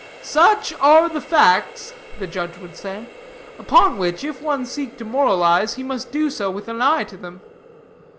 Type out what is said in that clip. "'Such are the facts,' the judge would say, 'upon which, if one seek to moralize, he must do so with an eye to them.